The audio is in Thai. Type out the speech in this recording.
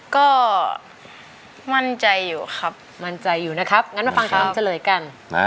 ก็มั่นใจอยู่ครับมั่นใจอยู่นะครับงั้นมาฟังคำเฉลยกัน